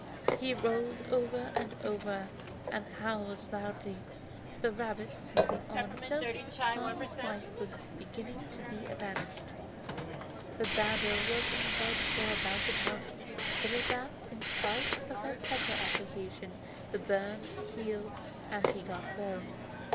He rolled over and over and howled loudly. The rabbit, looking on, felt that the farmer's wife was beginning to be avenged. The badger was in bed for about a month; but at last, in spite of the red pepper application, his burns healed and he got well.